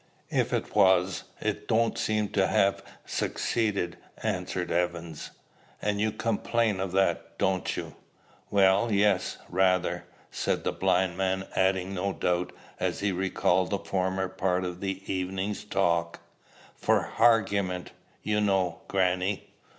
"If it was, it don't seem to ha' succeeded," answered Evans. "And you complain of that don't you?" "Well, yes, rather," said the blind man, adding, no doubt, as he recalled the former part of the evening's talk, "for harguyment, ye know, grannie."